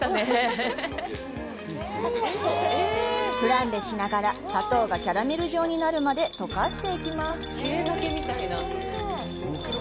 フランベしながら、砂糖がキャラメル状になるまで溶かしていきます。